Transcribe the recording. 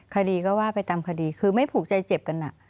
คดีก็ว่าไปตามคดีคือไม่ผูกใจเจ็บกัน